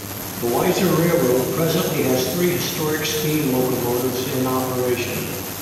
The Weiser Railroad presently has three historic steam locomotives in operation.